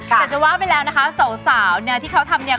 แต่จะว่าไปแล้วนะคะสาวเนี่ยที่เขาทำเนี่ย